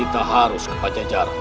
anda harus keajajar sekarang